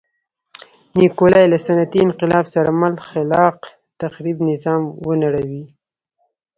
نیکولای له صنعتي انقلاب سره مل خلاق تخریب نظام ونړوي.